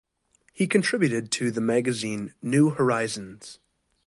He contributed to the magazine "New Horizons".